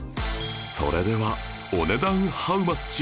それではお値段ハウマッチ？